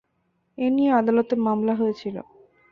এ নিয়ে আদালতে মামলা হয়েছিল।